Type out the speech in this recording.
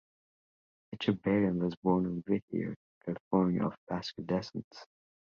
Etchebarren was born in Whittier, California of Basque descent.